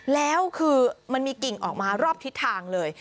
แล้วคือมันมีกิ่งออกมารอบทิศทางเลย